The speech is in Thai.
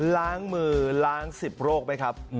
ล้างมือล้าง๑๐โรคไหมครับ